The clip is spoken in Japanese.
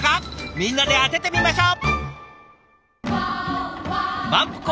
みんなで当ててみましょう。